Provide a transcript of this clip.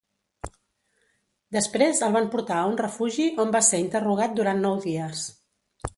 Després el van portar a un refugi on va ser interrogat durant nou dies.